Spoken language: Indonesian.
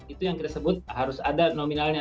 itu yang kita sebut harus ada nominalnya